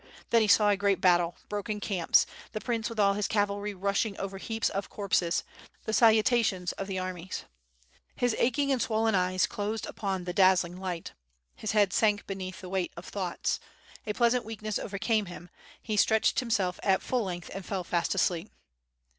... Then he saw a great battle, broken camps, — the prince with all his cavalry rushing over heaps of corpses, the salutations of the armies. ... His aching and swollen eyes closed upon the dazzling light; his head sank beneath the weight of thoughts; a pleasant weakness overcame him; he stretched himself at full length and fell fast asleep.